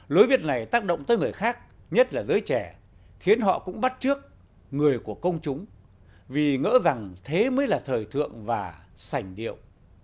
lối viết này tác động tới người khác nhất là giới trẻ khiến họ cũng bắt trước người của công chúng vì ngỡ rằng thế mới là thời thượng và sành điệu